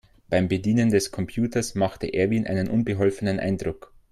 Beim Bedienen des Computers machte Erwin einen unbeholfenen Eindruck.